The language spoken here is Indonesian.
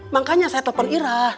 makanya saya telepon irah